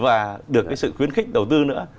và được cái sự khuyến khích đầu tư nữa